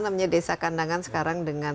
namanya desa kandangan sekarang dengan